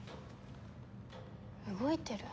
動いてる？